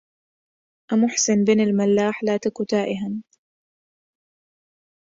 أمحسن بن الملح لا تك تائها